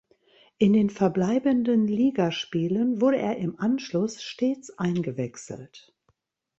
In den verbleibenden Ligaspielen wurde er im Anschluss stets eingewechselt.